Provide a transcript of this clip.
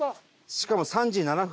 しかも３時７分。